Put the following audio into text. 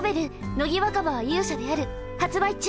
「乃木若葉は勇者である」発売中。